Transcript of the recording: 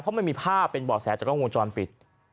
เพราะมันมีภาพเป็นบ่อแสจากกล้องวงจรปิด